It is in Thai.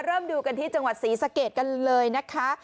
ดูกันที่จังหวัดศรีสะเกดกันเลยนะคะ